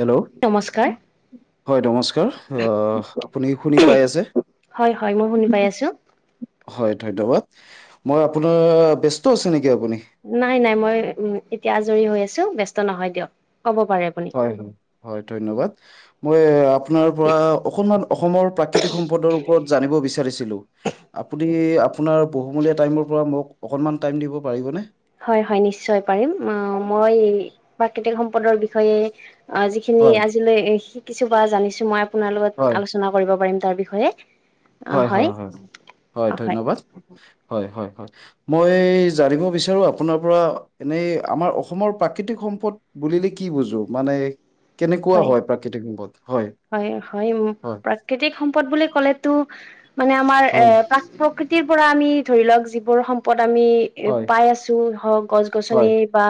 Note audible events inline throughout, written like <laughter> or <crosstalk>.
Hello নমস্কাৰ হয় নমস্কাৰ আহ আপুনি শুনি পাই আছে হয় হয় মই শুনি পাই আছো হয় ধন্যবাদ মই আপোনাৰ ব্যস্ত আছ নেকি আপুনি নাই নাই মই উ এতিয়া আজৰি হৈ আছো ব্যস্ত নহয় দিয়ক ক'ব পাৰে আপুনি হয় হয় হয় ধন্যবাদ মই আপোনাৰ পৰা অকণমান অসমৰ প্ৰাক ৃ সম্পৰ ওপৰত জানিব বিচাৰিছিলো আপুনি আপুনি আপোনাৰ পহুমূলীয়া টাইমৰ পৰা মোক অকণমান টাইম দিব পাৰিবনে হয় হয় নিশ্চয় পাৰিম আহ মই প্ৰাকৃতিক সম্পদৰ বিষয়ে অ যিখিনি হয় আজিলৈ শিকিছো বা জানিছো মই আপোনাৰ হয় লগত আলোচনা কৰিব পাৰিম তাৰ বিষয়ে হয় হয় হয় হয় ধন্যবাদ হয় মই জানিব বিচাৰো আপোনাৰ পৰা এনেই আমাৰ অসমৰ প্ৰাকৃতি সম্পদ বুলিলে কি বুজো মানে কেনেকুৱা হয় প্ৰাকৃতিক সম্পদ হয় হয় হয় হয় প্ৰাকৃতিক সম্পদ বুলি ক'লেতো মানে আমাৰ এ হয় কাঠ প্ৰকৃতিৰ পৰা আমি ধৰি লওক যিবোৰ সম্পদ আমি এ হয় পাই আছো হওক গছ হয় গছনি বা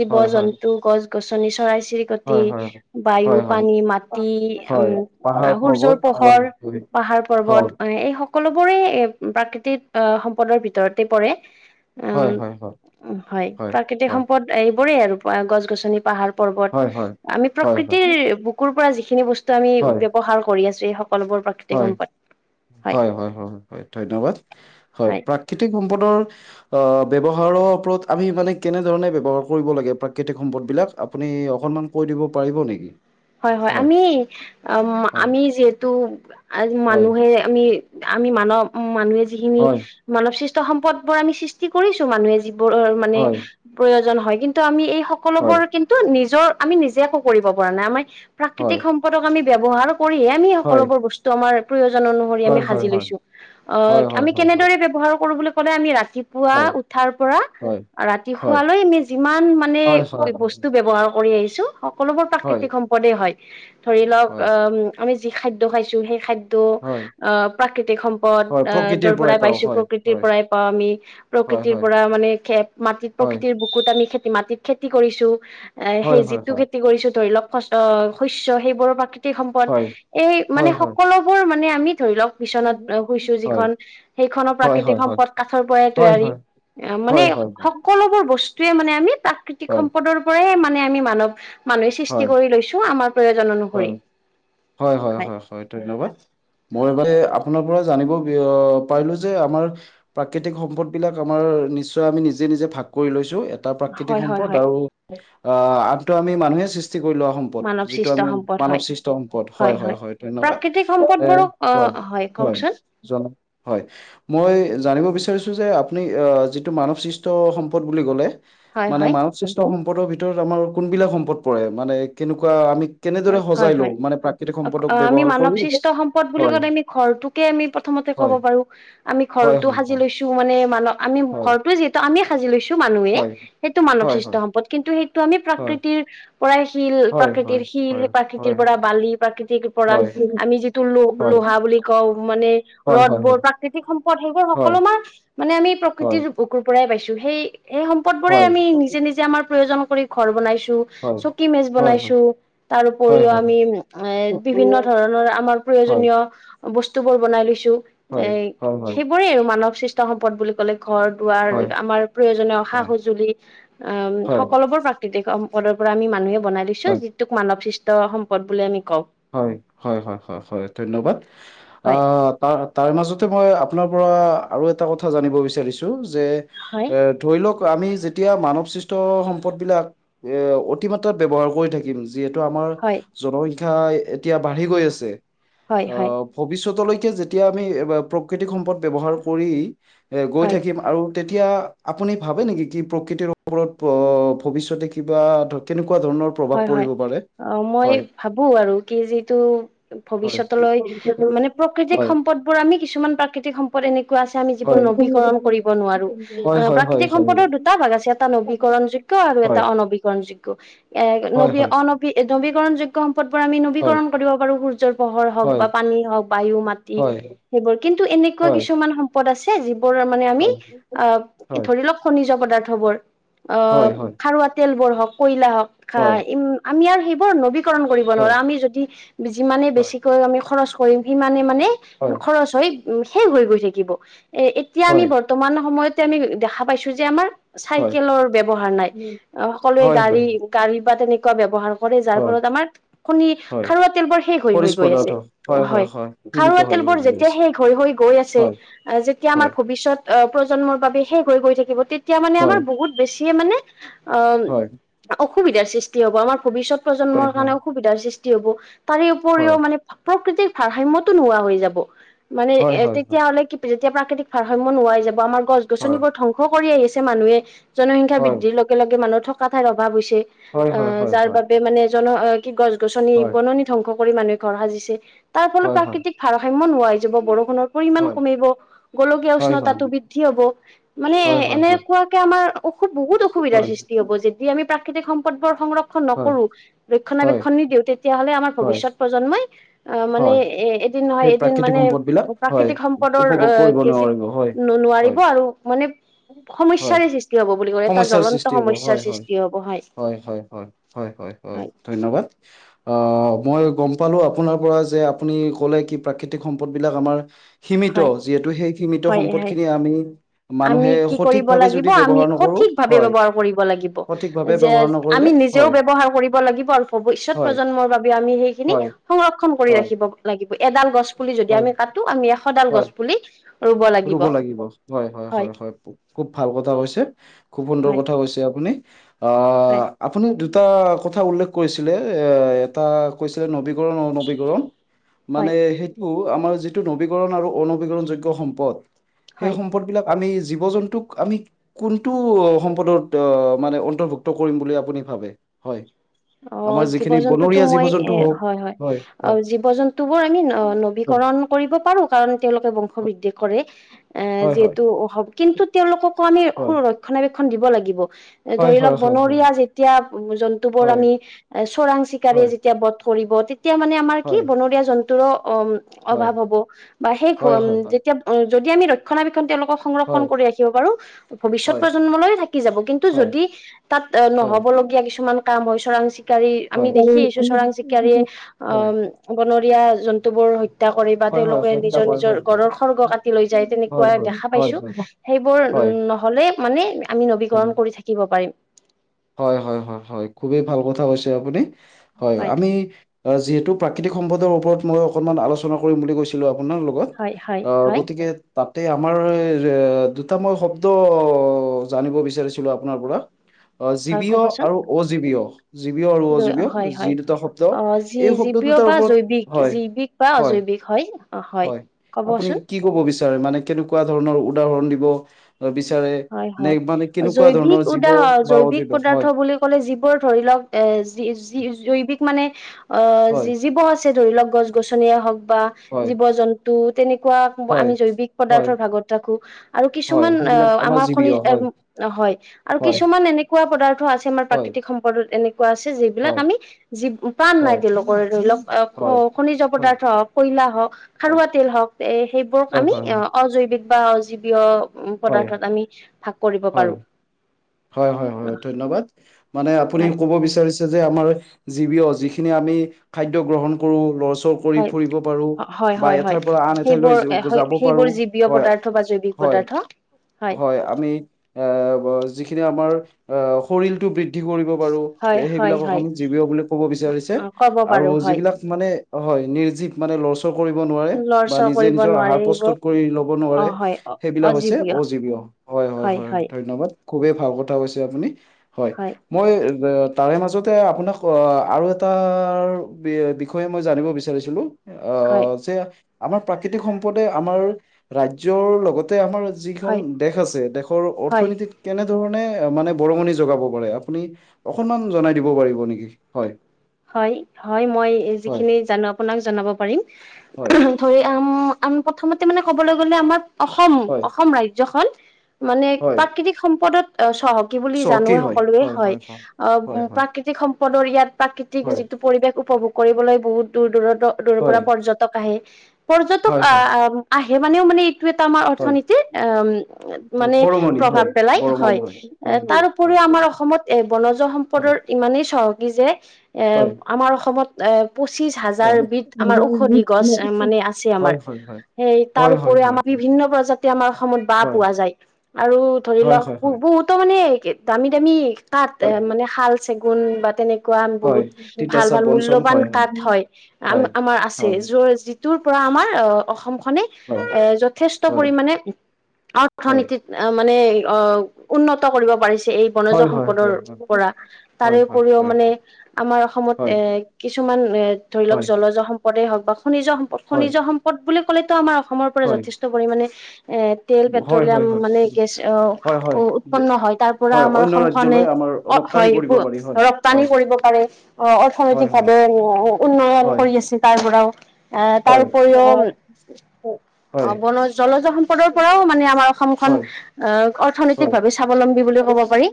জীৱ হয় হয় জন্তু গছ গছনি চৰাই চিৰিকটি হয় হয় বায়ু, হয় হয় পানী, মাটি, হয় উম, আ পাহাৰ সূৰ্যৰ পৰ্বত পোহৰ, হয় পাহাৰ পৰ্বত হয় এই সক সকলোবোৰে এ, প্ৰাকৃতিত অ, সম্পদৰ ভিতৰতে পৰে। উম, হয় হয় হয় হয়। হয় প্ৰাকৃতিক হয় সম্পদ এইবোৰেই আৰু গছ গছনি পাহাৰ পৰ্বত, হয় হয় আমি হয় হয় প্ৰকৃতিৰ বুকুৰ পৰা যিখিনি বস্তু আমি হয় হয় ব্যৱহাৰ কৰি আছো এই সক হয়, হয়-হয় হয়-হয় ধন্যবাদ হয়, প্ৰাকৃতিক সম্প সম্পদৰ আহ, ব্যৱহাৰৰ ওপৰত আমি মানে কেনেধৰণে ব্যৱহাৰ কৰিব লাগে প্ৰাকৃতিক সম্পদবিলাক আপুনি অকনমান কৈ দিব পাৰিব নেকি?। হয়-হয়, হয় আমি আম, হয় আমি যিহেতু <inaudible> হয় মানুহে আমি, আমি মানৱ মানুহে যিখিনি হয় মানৱ সৃষ্ট্ ত সম্পদবোৰ আমি সৃষ্টি কৰিছো মানুহে যিবোৰৰ মানে হয় প্ৰয়োজন হয়, কিন্তু আমি এই সকলোবোৰ কিন্তু নিজৰ আমি নিজে একো কৰিব পৰা নাই, আমাৰ হয় হয় প্ৰাকৃতিক সম্পদক আমি ব্যৱহাৰ কৰিহে আমি হয় সকলোবোৰ বস্তু আমাৰ জন অনুসৰি আমি হয় সাজি হয় হয় লৈছো। অ, আমি হয় হয় হয় হয় হয় হয় কেনেদৰে ব্যৱহাৰ কৰো বুলি ক'লে আমি ৰা তিপুৱা উঠাৰ পৰা ৰাতি হয় শুৱালৈ আমি যিমান মানে, হয় হয় বস্তু ব্যৱহাৰ কৰি আহিছ ছো, সকলোবোৰ হয়, প্ৰাকৃতিক সম্পদে হয়। ধৰি লওক হয়, অম, আমি যি খাদ্য খাইছো সেই খাদ ত, হয়, অ, প্ৰাকৃতিক সম্পদ, হয়, অ, প্ৰকৃতিৰ দৰ পৰাই পাওঁ পাইছো হয়, প্ৰকৃতিৰ হয়, পৰাই পাওঁ আমি, প্ৰক হয়, প্ৰকৃতিৰ হয়, পৰা মানে খেত মাটিত হয়, প্ৰকৃতিৰ বুকুত আমি খেত মাটিত খেতি কৰিছো, এই হয়, সেই হয়, যিটো হয়, খেতি কৰিছো ধৰি লওক শস্ অ, শস্য সেইবোৰো প্ৰাকৃতি তি সম্পদ, হয়, এই মানে হয়, সকলোবোৰ মানে আমি ধৰি লওক বিচনাত অ, শুইছো হয়, হয়, যিখন, সেইখনো হয়, প্ৰাকৃতিক হয়, হয়, সম্পদ কাঠৰ পৰাই হয়, হয়, তৈয়াৰী। হয়, অ', হয়, মানে হয়, হয়, সকলোবোৰ বস্ত্ তোৱে মানে আমি প্ৰাকৃতিক হয়, সম্পদৰ পৰাই মানে আমি মানৱ, মানুহে সৃষ্টি কৰি লৈছো। আমাৰ প্ৰয়োজন অনুসৰি। হয়, হয়। হয়-হয়-হয়-হয় ধন্যবাদ। মই <inaudible> আপোনাৰ পৰা জানিব বিঅ, পাৰিলো যে আমাৰ প্ৰাকৃতিক সম্পদ বিলাক আমাৰ নিশ্চ পৰা আমি নিজে-নিজে ভাগ কৰি লৈছো, এটা প্ৰাকৃতিক হয় হয় সম্পদ হয় আৰু আ, আনটো আমি মানুহে সৃ মানৱ সৃষ্ট সম্পদ হয়, সৃষ্ট সম্পদ হয়, হয়, হয়-হয়। হয়, ধন্যবাদ। প্ৰাকৃতিক সম্পদবোৰক অ হয়, কওকচোন। জন হয়, মই জানিব বিচাৰিছোঁ যে আপুনি অ', যিটো মানৱ সৃষ্ট সম্পদ বুলি ক'লে হয় মানে হয় মানৱ সৃষ্ট সম্পদৰ ভিতৰত আমাৰ কোনবিলাক সম্পদ পৰে, মানে কেনেকুৱা আমি কেনেদৰে হয়, হয় সজাই লওঁ হয়। মানে প্ৰাকৃতিক অক্ সম্পদক অ', আমি ব্যৱহাৰ মানৱ কৰি সৃষ্ট সম্পদ বুলি হয় কলে আমি ঘৰটোকে আমি প্ৰথম ক'ব হয় পাৰো, আমি হয় হয় ঘৰতো সাজি লৈছো মানে, মানৱ আমি হয় ঘৰটোয়ে যিহেতু আমিয়ে সাজি লৈছো চো মানুহে, হয় সেইটো মানৱ হয় সৃষ্ট হয় সম্পদ কিন্তু সেইটো আমি হয় প্ৰাকৃতিৰ পৰাই শীল হয় প্ৰাকৃতিৰ হয় সি শিল হয় সেই প্ৰাকৃতিৰ হয় পৰা বালি, প্ৰাকৃতিক পৰা হয় হয় হয় আমি যিটো হয় হয় লো-লোহা বুলি কওঁ, মানে হয় হয় হয় ৰ'দবোৰ, প্ৰাকৃতিক সম্পদ সেইবোৰ হয় সকলো মান, মানে আমি হয় হয় প্ৰকৃতিৰ বুকুৰ পৰা প্ৰায় পাইছো, সেই সেই সম্পদবোৰেই হয় আমি নিজে-নিজে আমাৰ প্ৰয়োজন কৰি ঘৰ বনাইছ হয় হয় চুকি মেজ বনাইছো। তাৰ হয় হয় উপৰিও আমি এ, বিভিন্ন ধৰণৰ আমাৰ প্ৰয়োজনীয় বস্তুবোৰ বনাই লৈছো। এই, সেইবোৰেই আৰু মানৱ সৃষ্ট সম্পদ বুলি ক'লে। ঘৰ দুৱাৰ, আমাৰ প্ৰয়োজনীয় সা হয় সঁজুলি উম, হয় সকলোবোৰ প্ৰাকৃতিক সম সম্পদৰ পৰা আমি মানুহে বনাই দিছো, হয় যিটোক মানৱ সৃষ্ট সম্পদ বুলি আমি কওঁ। হয়, হয় হয় হয় হয় ধন্যবাদ। আ, হয় তাৰ তাৰ মাজতে মই আপোনাৰ পৰা আৰু এটা কথা জানিব বিচাৰিছো যে, হয় এ ধৰি লওক আমি যেতিয়া মানৱ সৃষ্ট সম্পদবিলাক এ, অতিমাত্ৰাত ব্যৱহাৰ কৰি থাকিম যিহেতু আমাৰ হয় জনসংখ্যা এতিয়া বাঢ়ি গৈ আছে, হয় হয় অ', ভৱিষ্যতলৈ যেতিয়া আমি প্ৰকৃতিক সম্পদ ব্যৱহাৰ কৰি এ, গৈ হয় থাকিম, আৰু তেতিয়া আপুনি ভাবে নেকি, কি প্ৰকৃতিৰ ওপৰত প ভবিষ্যতে কিবা দ-তেনে কোৱাধৰণৰ প্ৰভাৱ হয় হয় পৰিব পাৰে, অ মই হয়। <unintelligible> আৰু কি যিটো হয়, ভৱিষ্যতলৈ, মানে প্ৰকৃতিক হয়। সম্পদ বোৰ আমি কিছুমান প্ৰাকৃতি তিক্ সম্পদ এনেকুৱা আছে আমি যিবোৰ হয় নবীকৰণ কৰিব নোৱাৰো, হয় অ', হয় হয় প্ৰাকৃতিক হয় সম্পদৰ দুটা ভাগ আছে এটা নব নীকৰণ যোগ্য আৰু এটা অনবীকৰণ যোগ্য। এ হয় হয় হয় নী নবীকৰণ যোগ্য ৰ আমি হয় নবীকৰণ কৰিব পাৰো সূৰ্যৰ পোহৰ হওঁক বা পানী হওঁক বায়ু মাটি হয় সেইবোৰ কিন্তু তেনেকুৱা হয় হয় কিছুমান দ আছে যিবোৰ মানে আমি আহ ধৰি লওক খনিজ পদাৰ্থবোৰ হয় হয় হয় হয় হয় হয় হয় হয় অ', খাৰুৱা তেল বোৰ হওঁক কয়লা হওঁক ম আমি আৰু সেইবোৰ নবী কৰন কৰিব নোৱাৰা আমি যদি যিমানে বেছিকৈ আমি খৰচ কৰিম সিমানে মানে খৰচ হৈ শেষ হৈ গৈ থাকিব, এ এতিয়া হয় হয় আমি বৰ্তমান সময়ত আমি দেখা পাইছো যে আমাৰ চাইকেলৰ ব্যৱহাৰ নাই, সকলোৱে হয় হয় গাড়ী গাড়ী বা তেনেকা ব্যৱহাৰ যাৰ হয় ফলত আমাৰ হয় খাৰুৱা তেল বোৰ শেষ হৈ হৈ খৰিজ গৈ পদাৰ্থ আছে, হয় সীমিত খাৰুৱা হৈ তেল বোৰ হৈ গৈ যেতিয়া সেই হৈ হৈ গৈ আছে যেতিয়া আমাৰ ভৱিষ্যত অ', প্ৰজন্মৰ বাবে শেষ হৈ গৈ থাকিব তেতিয়া মানে আমাৰ বহুত বেছিয়ে মানে অ'। অসুবিধাৰ সৃষ্টি হব আমাৰ ভৱিষ্যত আছে হয় প্ৰজন্মৰ কাৰণে অসুবিধাৰ সৃষ্টি হ'ব তাৰে উপৰিও মানে। প্ৰকৃতিক ভাৰসাম্যতো নোহোৱা হৈ যাব মানে হয় এ হয় হয় হয় হয় তেতিয়াহ'লে কি প এতিয়া প্ৰাকৃতিক ভাৰসাম্য নোহোৱাই যাব, আমাৰ গছ গছনিবোৰ ধ্বংস কৰি আহিছে মানুহে জনসংখ্যা হয় বৃদ্ধিৰ লগে লগে মানুহৰ থকা ঠাইৰ অভাৱ হৈছে হয় হয় হয় হয় হয় আহ যাৰ বাবে মানে জন কি গছ গছনি বননি ধ্বংস কৰি মানুহে ঘৰ সাজিছে। তাৰ ফলত হয় হয় হয় হয় প্ৰাকৃতিক ভাৰসাম্য নোৱাই যাব বৰষুণৰ পৰিমাণ কমিব গোলকীয়া হয় হয় হয় হয় উষ্ণতাটো বৃদ্ধি মানে হয় হয় হয় হয় এনেকুৱাকে আমাৰ অসু বহুত অসুবিধাৰ হয় সৃষ্টি হ'ব যে আমি প্ৰাকৃতিক সম্পদবোৰ সংৰক্ষণ নকৰো, হয় ৰক্ষণাবেক্ষণ নিদিওঁ তেতিয়াহ'লে আমাৰ হয় ভৱিষ্যত প্ৰজন্মই অ', মানে হয় এ এদিন নহয় সেই এদিন প্ৰাকৃতিক মানে সম্পদ বিলাক হয় প্ৰাকৃতিক সম্পদৰ অ উপভোগ কৰিব কেজিত নোৱাৰিব হয় ন হয় নোৱাৰিব আৰু মানে হয় সমস্যাৰে সৃষ্টি হ'ব বুলি ক'লে এটা সমস্যাৰ জ্বলন্ত সৃষ্টি হ'ব সমস্যাৰ হয় হয় সৃষ্টি হয় হয় হয় হয় হয় হয় ধন্যবাদ। আহ মই গম পালো আপোনাৰ পৰা যে আপুনি ক'লে কি প্ৰাকৃতিক সম্পদ বিলাক আমাৰ সীমিত হয় যিহেতু সেই সীমিত হয় সম্পদ হয় খিনি আমি আমি মানুহে কি কৰিব সঠিকভাৱে যদি লাগিব আমি ব্যৱহাৰ ন সঠিক ভাৱে ব্যৱহাৰ কৰিব লাগিব, যে ব্যৱহাৰ নকৰিলে আমি নিজেও হয় ব্যৱহাৰ কৰিব লাগিব আৰু ভৱিষত হয় ন্ৰ বাবে আমি সেইখিনি হয় সংৰক্ষণ কৰি হয় ৰাখিব লাগিব এডাল গছপুলি যদি হয় আমি কাটো আমি এশডাল গছ হয় পুলি ৰুব লাগিব হয় হয় হয় হয় খুব ভাল কথা কৈছে খুব সুন্দৰ হয় কথা কৈছে আপুনি অ হয় আপুনি এটা কথা উল্লেখ কৰিছিলে এ এটা কৈছিলে নবী ীকৰণ হয় মানে সেইটো আমাৰ যিটো নবীকৰণ আৰু অনবীকৰণ যোগ সম্প সম্প সেই হয় সম্পদবিলাক আমি জীৱ জন্তুক আমি কোনটো সম্পদত মানে অন্তৰ্ভুক্ত কৰিম বুলি আপুনি ভ হয় অ আমাৰ জীৱ যিখিনি জন্তুতো বনৰীয়া জীৱ মই জন্তু এ হওক হয় হয় অ হয় জীৱ জন্তু বোৰ আমি নবীকৰ কৰিব পাৰো কাৰণ তেওঁলোক বংশ বৃদ্ধি কৰে এ হয় হয় যিহেতু কিন্তু তেওঁলোককো আমি স হয় ৰক্ষণাবেক্ষণ দ ল হয় হয় হয় হয় হয় বতিয়া হয় আমি চৰাং চিকাৰ হয় যেতিয়া বধ কৰিব তেতিয়া মানে আমাৰ কি হয় হয় বনৰীয়া জন্তুৰো অ হয় অভাৱ হ'ব বা সেই ঘ হয়, উ হয়, হয়, যেতিয়া উ যদি আমি ৰক্ষণাবে হয়, হয়, ৰা হয়, ভ য হয়, নহ'বলগীয়া কিছুমান কাম হয় চৰাং চিকাৰী আমি দেখিছো চৰাং চিকাৰীয়ে হয়। হয়, অ বন জন্তুবোৰ সৈ া কৰি বা হয়, হয়, তেওঁলোকে হত্যা নিজৰ কৰে নিজৰ হয়, হয়, গৰৰ সৰ্গ কাটি লৈ যায় হয়, হয়, তেনেকুৱা হয়, দেখা হয়, পাইছো হয়। সেইবোৰ হয়, উম নহলে মানে আমি নবীকৰণ কৰি থাকিব পাৰিম হয় হয় হয় খুবেই ভাল কথা কৈছে আপুনি হয় আমি যিহেতু প্ৰাকৃতিক সম্পদৰ ওপৰত মই অকনমান আলোচনা কৰিম বুলি গৈছিলো আপোনাৰ লগত হয় হয় আহ হয় গতিকে তাতে আমাৰ এ দুটাতা মান শব্দ জানিব বিচাৰিছিলো আপোনাৰ পৰা অ হয় জীৱীয় ক'বচোন আৰু অজীৱীয় জীৱ আৰু হয় অজীৱীয় হয় যি দুটা শব্দ অ যি এই শব্দ জীৱীয় দুটাৰ বা ওপৰত জৈৱিক হয় জৈৱিক বা হয় অজৈৱিক হয় হয় আপুনি ক'বচোন কি কব বিচাৰে মানে কেনেকুৱা ধৰণৰ উদাহৰণ দিব বিচাৰে হয় নে হয়। মানে কেনেকুৱা জৈৱিক ধৰণৰ জীৱ উদাহ বা জৈৱিক অজীৱ হয় পদাৰ্থ বুলি ক'লে যিবোৰ ধৰি লওক এ যি যি জৈৱিক মানে অ হয় যি জীৱ আছে ধৰি লওক গছ গছনিয়ে হওক বা হয় জীৱ জন্তু তেনেকুৱা হয় আমি জৈৱিক হয় পদাৰ্থৰ ভাগত ৰাখো আৰু হয় কিছুমান সেইবিলাক অ আমাৰ জীৱীয় হয় আৰু হয় কিছুমান এনেকুৱা পদাৰ্থ আছে আমাৰ হয় প্ৰাকৃতিক সম্পদত এনে যিলাক হয় আমি প্ৰান নাই হয় তেওলোকৰ ধৰি লক হয় খনিজ হয় পদাৰ্থ হয় খাৰুৱা তেল হ হওক সেইবোৰক‌ হয় আমি‌ হয় অজৈৱিক‌ বা অজীৱীয় হয় পদাৰ্থত আমি ভাগ কৰিব হয় পাৰো হয় হয় হয় ধন্যবাদ মানে আপুনি হয় ক'ব বিচাৰি আমাৰ জিৱিয় যিখিনি আমি খাদ গ্ৰহণ কৰো লজ হয় হয় হয় হয় পৰা আন এঠাইলৈ সেইবোৰ যাব পাৰো সেইবোৰ জীৱীয় হয় পদাৰ্থ বা জৈৱিক হয় পদাৰ্থ পদাৰ্থ হয় আমি এ যিখিনি আমাৰ শৰীৰটো বৃদ্ধি কৰিব বাৰু হয় হয় সেইবিলাকক হয় আমি জৱ বুলি ক'ব বিচাৰিছে অ ক'ব আৰু পাৰো হয় যিবিলাক মানে হয় নিৰ্জীৱ মানে লৰচৰ কৰিব নোৱাৰে বা লৰচৰ নিজে কৰিব নিজৰ নোৱাৰে আহাৰ এইবোৰ প্ৰস্তুত কৰি ল'ব অ নোৱাৰে হয় সেইবিলাক হৈছে অজীৱীয় অজীৱ হয় হয় খুবেই ভাল কথা কৈছে আপুনি হয় মই তাৰে মাজতে আপোনাক অ আৰু এটা বিষয়ে মই জানিব বিচাৰিছিলো অ হয় যে আমাৰ প্ৰাকৃতিক সম্পদে আমাৰ ৰাজ্যয়ৰ লগতে আমাৰ যিখন হয় দেশ আছে দেশৰ হয় অৰ্থনীতিত কেনেধৰণে মানে বৰঙণি যোগাব পাৰে আপুনি অকনমান জনাই দিব পাৰিব নেকি হয় হয় - হয় মই হয়, যিখিনি জানো আপোনাক জনাব পাৰিম হয়, ধৰি আম আম প্ৰথমতে মানে ক'বলৈ গলে আমাৰ অসম হয়, অসম ৰাজ্যখন মানে হয়, প্ৰাকৃতিক সম্পদত। সহকী বুলি চহকী জানোৱ হয়, সকলোৱে হয় হয়, আহ হয়, প্ৰাকৃতিক সম্পদৰ ইয়াত প্ৰাকৃতিক হয়, যিটো পৰিৱেশ উপভোগ কৰিবলৈ বহুত দূৰ - দূৰ দূৰৰ হয়, পৰা পৰ্যটক আহে। পৰ্যটক হয়, হয়, আহ - আহে মানেও মানে আম হয়, অথনিতিৰ অ, মানে বৰঙণি প্ৰভাৱ হয়, পেলাই বৰঙণি হয় হয়, তাৰ হয়, উপৰি হয়, আমাৰ অসমত এ বনজ হয়, সম্পদৰ ইমানেই চহকী যে এ হয়, হয়, আমাৰ অসমত এ পচিশ হয়, হয়। হাজাৰবিধ আমাৰ ঔষধি গছ মানে আছে হয়, আমাৰ। হয়, সেই হয়, হয়, হয়, তাৰপৰি আমাৰ বিভিন্ন প্ৰজাতি আমাৰ অসমত বাহ পোৱা যায় আৰু ধৰি হয়, লওকুত হয়, বুতো মানে দামী - দামী কাঠ হয়, মানে শাল চেগুন বা তেনেকুৱা হয়, বহুত ভাল - তিতাচাপ ভাল বঞ্চম মূল্যবান হয়, কাঠ হয় আম হয়, আমাৰ আছে হয়, য যি তোৰ পৰা আমাৰ অ, অসম অসমখনে হয়, যথেষ্ট হয়, পৰিমানে হয়। অথনিতিত মানে অ, উন্নত কৰিব পাৰিছে। এই বনজ হয় হয় সম্পদৰ হয় পৰা তাৰে হয় হয় উপৰিও হয় মানে আমাৰ অসমত হয় এ কিছুমান এ ধৰি লওক হয় জলজ সম্পদে হওক বা খনিজ সম্পদ হয় খনিজ সম্পদ বুলি কলে তো‌ আমাৰ অসমৰ পৰা হয় যথেষ্ট পৰিমণে এ তেল হয় হয় পেট্ৰলিয়াম মানে গেছ হয় আহ, হয় উৎপন্ন হয় তাৰ পৰা হয় আমাৰ অন্য অসমখনে ৰাজ্যলৈ আমাৰ অ, ৰপ্তানি হয় কৰিব পাৰি হয় ৰপ্তানি হয় কৰিব পাৰে। অ, হয় অৰ্থনৈতিক ভাৱে উন্নয়ন হয় কৰি আছে তাৰ পৰাও আহ, তাৰ হয় উপৰিও। হয়। অ, বন জলজ সম্পদৰ পৰাও মানে আমাৰ অসমখন হয় অ হয় অৰ্থনৈতিক ভাৱে হয় স্বাৱলম্বী বুলি পাৰি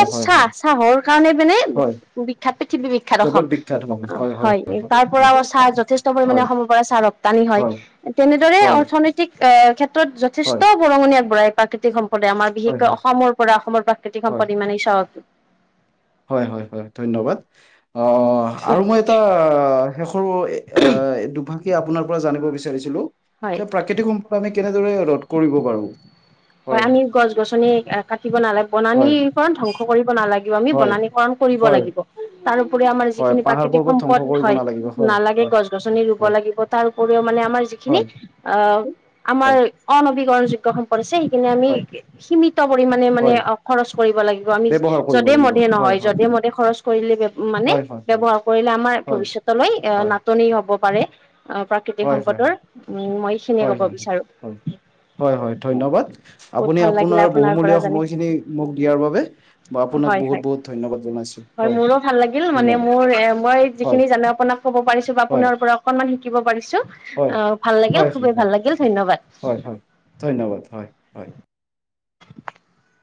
হয় হয় চাহ হয় - চাহৰ কাৰণে মানে হয় বি পৃথিৱী বিখ্যাত অসম জগত বিখ্যাত হয় হয় তাৰ পৰা হয় চাহ যথেষ্ট পৰিমণে হয় অসমৰ পৰা চাহ ৰপ্তানি হয়। তেনেদৰে হয় হয় অৰ্থনৈতিক এহ, ক্ষেত্ৰত হয় যথেষ্ট বৰঙণি আগবঢ়াই প্ৰাকৃতিক সম্পদ লে আমাৰ হয় হয় বিশেষকৈ অসমৰ পৰা অসমৰ প্ৰাকৃতিক সম্পদ ইমানেই চাহত হয় - হয় - হয় ধন্যবাদ। অ - অ আৰু মই এটা শেষৰ দুভাগ স আপোনাৰ পৰা জানিব বিচাৰিছিলো হয় যে প্ৰাকৃতিক সম্পদ আমি কেনেদৰে ৰ'দ কৰিব পাৰো। হয় আমি গছ গছনি কাটিব নালাগে বনানি হয় পৰা ধ্বংস কৰিব নালাগিব আমি হয় বনানীকৰণ কৰিব হয় লাগিব। তাৰোপৰি আমাৰ হয় যিখিনি পাহাৰ প্ৰাকৃতিক পৰ্বত ধ্বংস সম্পদ কৰিব হয় নালাগিব হয় নালাগে হয় গছ - গছনি ৰুব হয় লাগিব তাৰ উপৰিও মানে আমাৰ যিখিনি হয় আহ আমাৰ হয় অনবীকৰণ যোগ্য সম্পদ আছে। কিনে আমি হয় সীমিত পৰিমণে মানে হয় অ, খৰচ কৰিব লাগিব আমি ব্যৱহাৰ কৰিব যধে লাগিব মধে হয় নহয় হয় য হয় খৰচ কৰিলে মানে হয় হয় হয় ব্যৱহাৰ কৰিলে আমাৰ হয় ভৱিষয়তলৈ হয় নাটনি হব প্ৰাকৃতিক হয় হয় সম্পদৰ উম, এইখিনিয়ে হয় - ক'ব হয়- বিচাৰো হয়- হয় - হয় ধন্যবাদ। বহুত আপুনি ভাল লাগিলে আপোনাৰ পৰা বহুমূলীয়া জানি সময় খিনি মোক দিয়াৰ বাবে আপোনাক হয় বহুত হয় - বহুত ধন্যবাদ। হয় মোৰো ভাল লাগিল মানে ধন্যবাদ মোৰ এ মই হয় যিখিনি জানো আপোনাক ক'ব পাৰিছো বা হয় আপোনাৰ পৰা অকনমান শিকিব পাৰিছো হয়। আহ ভাল লাগিল হয়, হয়, খুবেই হয়, ভাল লাগিল হয়, ধন্যবাদ। হয়। ধন্যবাদ, হয় - হয়। <inaudible>